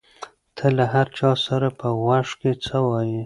ته له هر چا سره په غوږ کې څه وایې؟